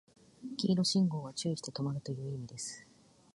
黄色信号は注意して止まるという意味です